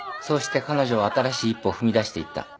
そうして彼女は新しい一歩を踏み出していった。